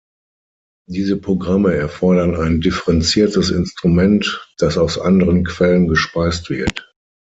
Diese Programme erfordern ein differenziertes Instrument, das aus anderen Quellen gespeist wird.